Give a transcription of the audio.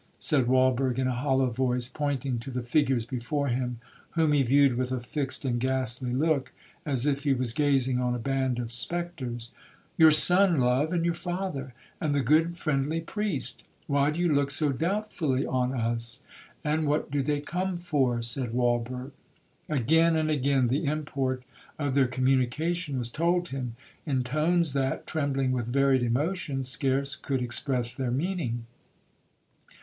said Walberg in a hollow voice, pointing to the figures before him, whom he viewed with a fixed and ghastly look, as if he was gazing on a band of spectres. 'Your son, love,—and your father,—and the good friendly priest. Why do you look so doubtfully on us?'—'And what do they come for?' said Walberg. Again and again the import of their communication was told him, in tones that, trembling with varied emotion, scarce could express their meaning.